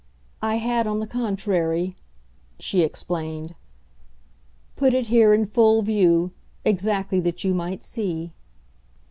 I had, on the contrary," she explained, "put it here, in full view, exactly that you might see."